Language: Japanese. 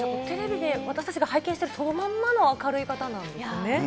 テレビで私たちが拝見しているそのまんまの明るい方なんですね。